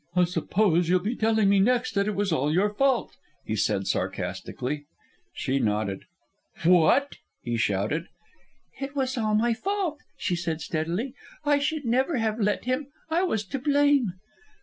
"I suppose you'll be telling me next that it was all your fault," he said sarcastically. She nodded. "What?" he shouted. "It was all my fault," she said steadily. "I should never have let him. I was to blame."